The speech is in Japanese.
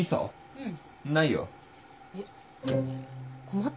うん。